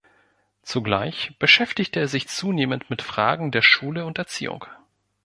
Zugleich beschäftigte er sich zunehmend mit Fragen der Schule und Erziehung.